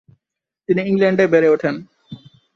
তিনি ইংল্যান্ডে বেড়ে ওঠেন।